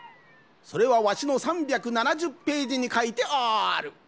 それはわしの３７０ページにかいてある。